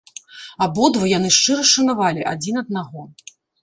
Абодва яны шчыра шанавалі адзін аднаго.